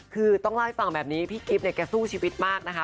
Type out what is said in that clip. คือต้องเล่าให้ฟังแบบนี้พี่กิ๊บเนี่ยแกสู้ชีวิตมากนะคะ